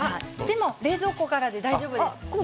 冷蔵庫からでいいです。